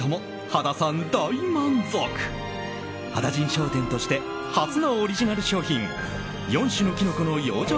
羽田甚商店として初のオリジナル商品４種のきのこの養生